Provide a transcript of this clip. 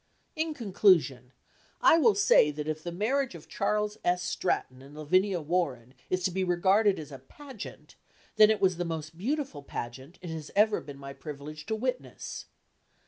In conclusion, I will say that if the marriage of Charles S. Stratton and Lavinia Warren is to be regarded as a pageant, then it was the most beautiful pageant it has ever been my privilege to witness.